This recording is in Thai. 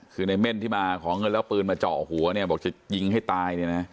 คือในเม่นที่มาขอเงินละปืนมาเจาะหัวบอกจะยิงให้ตาย